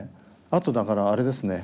あとだからあれですね